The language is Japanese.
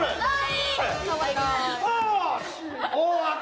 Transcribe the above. はい。